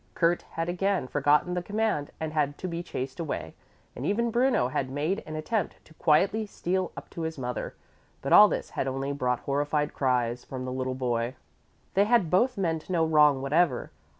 Kurt had again forgotten the command and had to be chased away, and even Bruno had made an attempt to quietly steal up to his mother. But all this had only brought horrified cries from the little boy. They had both meant no wrong whatever.